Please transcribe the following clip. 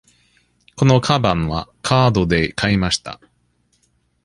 このかばんはカードで買いました。